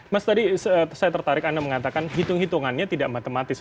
mas tadi saya tertarik anda mengatakan hitung hitungannya tidak matematis